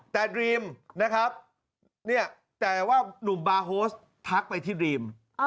แต่ดรีมนะครับเนี่ยแต่ว่าหนุ่มบาร์โฮสทักไปที่ดรีม